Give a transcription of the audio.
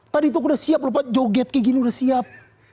tadi tuh udah siap lho pak joget kayak gini udah siap